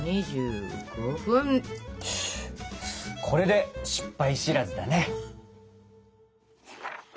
これで失敗知らずだね！